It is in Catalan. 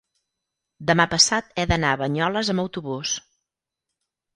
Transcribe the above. demà passat he d'anar a Banyoles amb autobús.